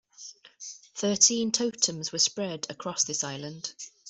Thirteen totems were spread across this island.